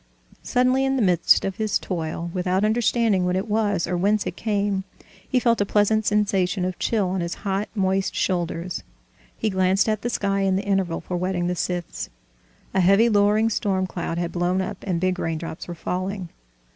Suddenly, in the midst of his toil, without understanding what it was or whence it came, he felt a pleasant sensation of chill on his hot, moist shoulders. He glanced at the sky in the interval for whetting the scythes. A heavy, lowering storm cloud had blown up, and big raindrops were falling.